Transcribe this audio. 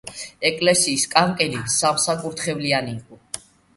ეკლესიის კანკელი სამსაკურთხევლიანი იყო.